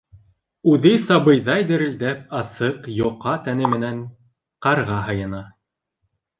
Үҙе, сабыйҙай дерелдәп, асыҡ йоҡа тәне менән ҡарға һыйына.